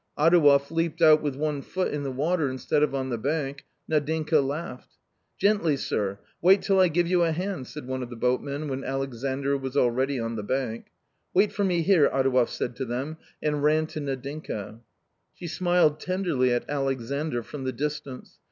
Adouev leaped out with one foot in the water instead of on the bank, Nadinka laughed. " Gently, sir, wait till I give you a hand," said one of the boatmen when Alexandr was already on the bank. " Wait for me here," Adouev said to them, and ran to Nadinka. She smiled tenderly at Alexandr from the distance.